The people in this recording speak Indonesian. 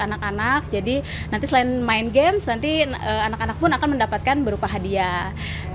anak anak jadi nanti selain main games nanti anak anak pun akan mendapatkan berupa hadiah